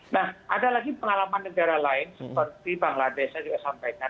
nah ada lagi pengalaman negara lain seperti bangladesh juga sampaikan